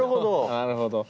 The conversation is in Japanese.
なるほど。